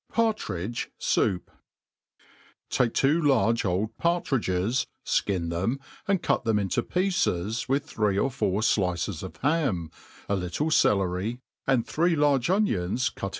Partridge Soup, Take two large old partridges, (kin them, and cut them into pieces, with three or four flices of ham, a little celery, K 3 and 134 THE ART OF COOKERY and three large onions cut.